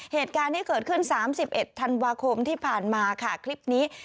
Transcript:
เหตุการณ์ที่เกิดขึ้น๓๑ธันวาคมที่ผ่านมาค่ะคลิปนี้